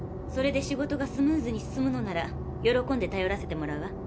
それで仕事がスムーズに進むのなら喜んでたよらせてもらうわ。